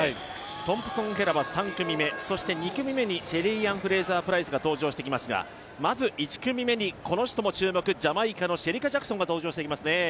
トンプソン・ヘラは３組目、そして２組目にシェリーアン・フレイザー・プライスが登場してきますがまず１組目にこの人も注目、ジャマイカのシェリカ・ジャクソンが登場してきますね。